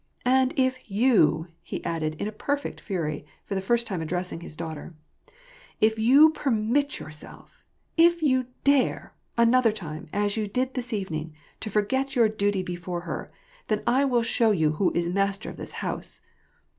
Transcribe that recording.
" And if you," he added in a perfect fury, for the first time addressing his daughter, " if you permit yourself, if you dare, another time, as you did this evening, to forget your duty before her, then I will show you who is master in this house.